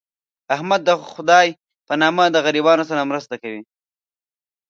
احمد تل دخدی په نامه د غریبانو سره مرسته کوي.